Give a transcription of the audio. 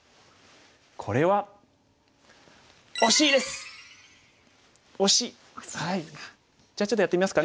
これはおしいですか。